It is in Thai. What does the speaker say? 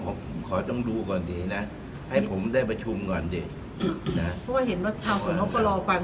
ผมขอต้องดูก่อนดีนะให้ผมได้ประชุมก่อนดินะเพราะว่าเห็นว่าชาวสวนเขาก็รอกัน